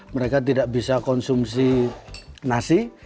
mereka tidak bisa konsumsi nasi